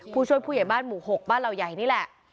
ผู้ช่วยผู้ใหญ่บ้านหมู่๖บ้านเหล่าใหญ่นี่แหละ